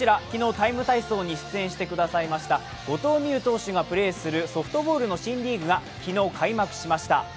昨日「ＴＩＭＥ，体操」に出演してくださいました後藤投手がプレーするソフトボールの新リーグが昨日、開幕しました。